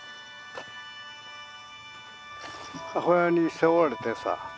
母親に背負われてさ